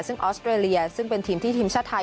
ซึ่งออสเตรเลียซึ่งเป็นทีมที่ทีมชาติไทย